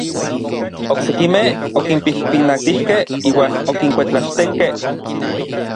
Oksekimej okinpijpinatijkej iuan okinkuetlaxtenkej.